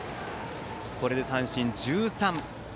これで三振１３。